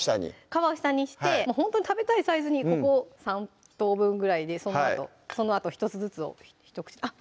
皮を下にしてほんとに食べたいサイズにここ３等分ぐらいでそのあと１つずつを１口大あっ